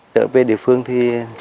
trở về địa phương thì